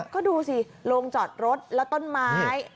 ก็ดูสิโรงจอดรถแล้วต้นไม้